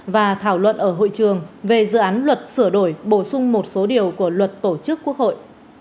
và thảo luận ở hội trường về dự án luật sửa đổi bổ sung một số điều của luật tổ chức quốc hội